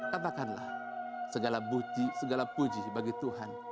katakanlah segala puji bagi tuhan